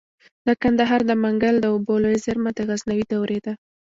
د کندهار د منگل د اوبو لوی زیرمه د غزنوي دورې ده